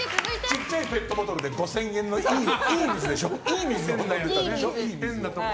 ちっちゃいペットボトルで５０００円の、いい水でしょ？